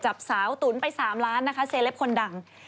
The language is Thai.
จับสาวตุ๋นไป๓ล้านเซลปคนดัง